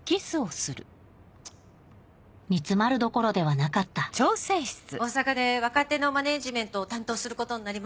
煮詰まるどころではなかった大阪で若手のマネジメントを担当することになりました。